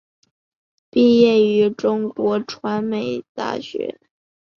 毕业于中国传媒大学。